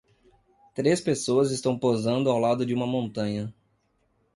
Três pessoas estão posando ao lado de uma montanha.